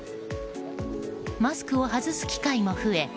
マスクを外す機会も増え